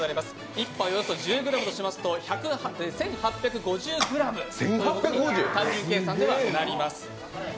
１杯１０ｇだとすると１８５０ｇ、単純計算ではなります。